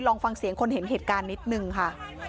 ลองฟังเสียงคนเห็นเหตุการณ์นิดนึงค่ะ